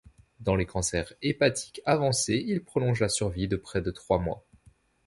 Dans les cancers hépatiques avancés, il prolonge la survie de près de trois mois.